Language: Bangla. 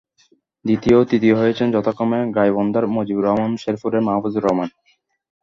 দ্বিতীয় ও তৃতীয় হয়েছেন যথাক্রমে গাইবান্ধার মজিবর রহমান ও শেরপুরের মাহফুজুর রহমান।